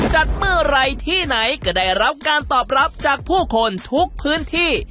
จัดเมื่อไหร่ที่ไหนก็ได้รับการตอบรับจากผู้คนทุกพื้นที่